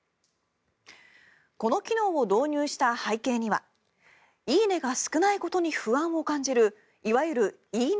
この機能を導入した背景には「いいね」が少ないことに不安を感じるいわゆる「いいね」